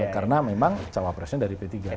kalau menjawab presnya dari p tiga